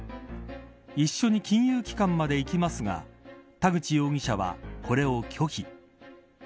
一緒に金融機関まで行きますが田口容疑者はこれを拒否。